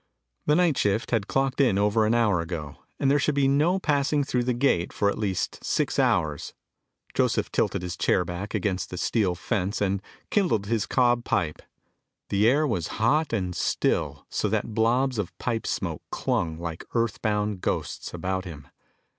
The night shift had clocked in over an hour ago, and there should be no passing through the gate for at least six hours. Joseph tilted his chair back against the steel fence and kindled his cob pipe. The air was hot and still so that blobs of pipe smoke clung like earth bound ghosts about him.